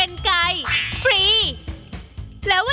ใช่แล้วค่ะ